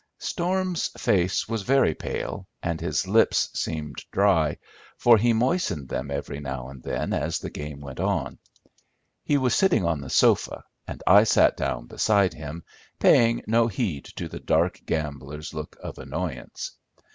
Storm's face was very pale, and his lips seemed dry, for he moistened them every now and then as the game went on. He was sitting on the sofa, and I sat down beside him, paying no heed to the dark gambler's look of annoyance.